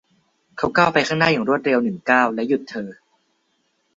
เขาก้าวไปข้างหน้าอย่างรวดเร็วหนึ่งก้าวและหยุดเธอ